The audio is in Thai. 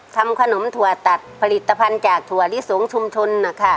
ทำขนมถั่วตัดผลิตภัณฑ์จากถั่วลิสงชุมชนนะคะ